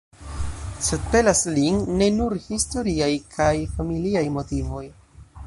Sed pelas lin ne nur historiaj kaj familiaj motivoj.